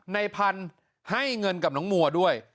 ในพันธุ์ให้เงินกับน้องมัวด้วย